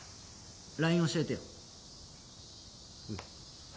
ＬＩＮＥ教えてよ